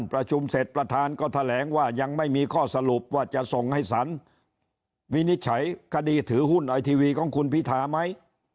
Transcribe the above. ประชุมเสร็จประธานก็แถลงว่ายังไม่มีข้อสรุปว่าจะส่งให้สารวินิจฉัยคดีถือหุ้นไอทีวีของคุณพิธาไหม